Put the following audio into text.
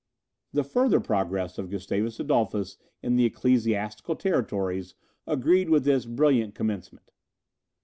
The further progress of Gustavus Adolphus in the ecclesiastical territories agreed with this brilliant commencement.